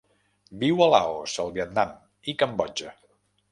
Viu a Laos, el Vietnam i Cambodja.